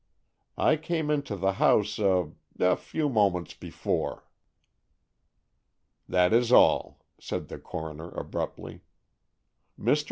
I came into the house a—a few moments before." "That is all," said the coroner abruptly. "Mr.